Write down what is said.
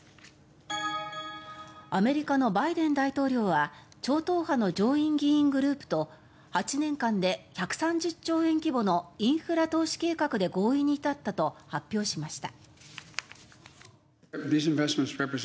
アメリカのバイデン大統領は超党派の上院議員グループと８年間で１３０兆円規模のインフラ投資計画で合意に至ったと発表しました。